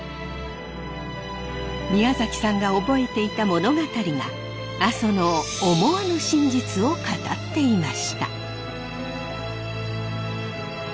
宮崎さんが覚えていた物語が阿蘇の思わぬ真実を語っていました。